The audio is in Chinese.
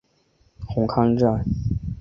红磡站。